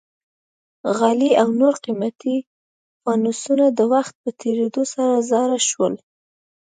غالۍ او نور قیمتي فانوسونه د وخت په تېرېدو سره زاړه شول.